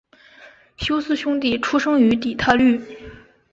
休斯兄弟出生于底特律。